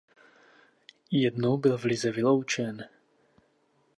Jednou byl v lize vyloučen.